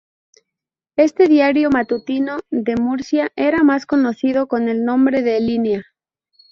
Este diario matutino de Murcia era más conocido con el nombre de Línea.